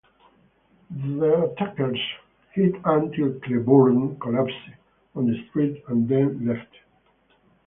The attackers hid until Cleburne collapsed on the street and then left.